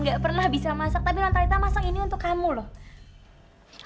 gak pernah bisa masak tapi lantainya masak ini untuk kamu loh